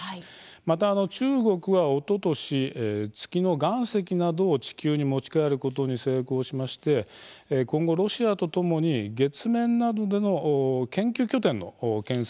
また、中国はおととし月の岩石などを地球に持ち帰ることに成功しまして今後ロシアとともに月面などでの研究拠点の建設を行う方針なんです。